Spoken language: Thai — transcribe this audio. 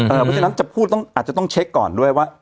เพราะฉะนั้นจะพูดอาจจะต้องเช็คก่อนด้วยว่า